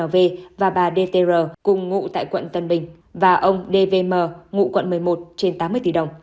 và ông d v m ngụ quận một mươi một trên tám mươi tỷ đồng